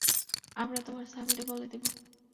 আমরা তোমার স্বামীরে বলে দিবো।